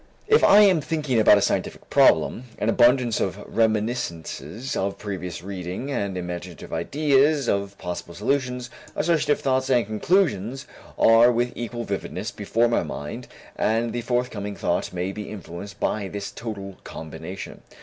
If I am thinking about a scientific problem, an abundance of reminiscences of previous reading and imaginative ideas of possible solutions, associative thoughts and conclusions are with equal vividness before my mind and the forthcoming thought may be influenced by this total combination.